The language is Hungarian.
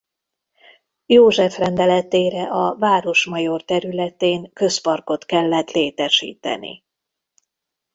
József rendeletére a Városmajor területén közparkot kellett létesíteni.